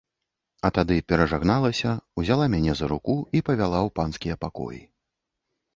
А тады перажагналася, узяла мяне за руку і павяла ў панскія пакоі.